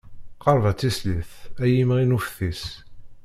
Qerb-d a tislit, ay imɣi n uftis.